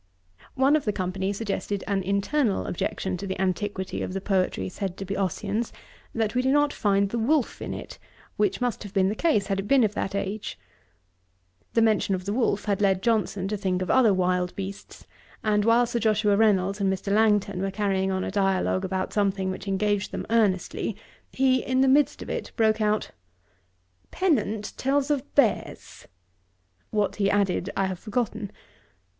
One of the company suggested an internal objection to the antiquity of the poetry said to be Ossian's, that we do not find the wolf in it, which must have been the case had it been of that age. The mention of the wolf had led Johnson to think of other wild beasts; and while Sir Joshua Reynolds and Mr. Langton were carrying on a dialogue about something which engaged them earnestly, he, in the midst of it, broke out, 'Pennant tells of Bears '[what he added, I have forgotten.